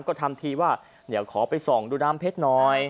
ก็ทำทีว่าเดี๋ยวขอไปส่องรูดล้ามเพชรนอย่าง